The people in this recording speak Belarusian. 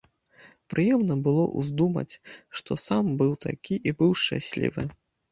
Прыемна было ўздумаць, што сам быў такі і быў шчаслівы.